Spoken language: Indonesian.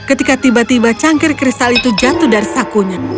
ketika tiba tiba cangkir kristal itu jatuh dari sakunya